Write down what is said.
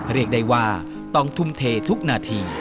เรียกได้ว่าต้องทุ่มเททุกนาที